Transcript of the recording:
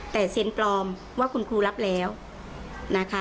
แต่เซ็นปลอมว่าคุณครูรับแล้วนะคะ